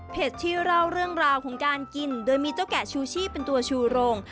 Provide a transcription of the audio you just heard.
ที่เล่าเรื่องราวของการกินโดยมีเจ้าแกะชูชีพเป็นตัวชูโรง